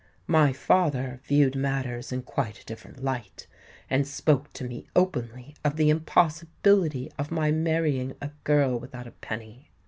My father viewed matters in quite a different light, and spoke to me openly of the impossibility of my marrying a girl without a penny.